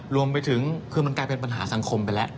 รวมไปถึงคือมันกลายเป็นปัญหาสังคมไปแล้ว